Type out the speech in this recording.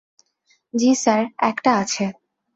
জ্বি স্যার, একটা আছে।